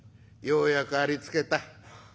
ようやくありつけた。